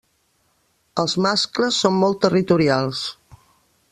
Els mascles són molt territorials.